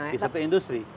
di sektor industri